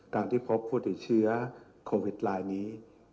การที่พบฟุตบอลเชื้อโควิดไลน์นี้